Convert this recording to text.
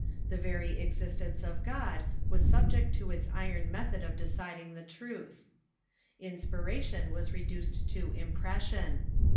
The very existence of God was subject to its iron method of deciding the truth. Inspiration was reduced to impression.